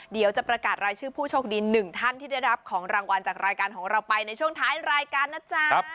เดี๋ยวจะประกาศรายชื่อผู้โชคดีหนึ่งท่านที่ได้รับของรางวัลจากรายการของเราไปในช่วงท้ายรายการนะจ๊ะ